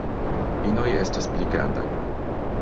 Inoj estas pli grandaj.